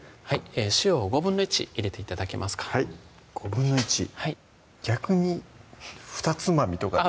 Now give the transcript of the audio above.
塩を１／５入れて頂けますかはい１／５逆にふたつまみとかあっ